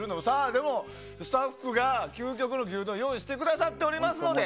でもスタッフが究極の牛丼を用意してくださっておりますので。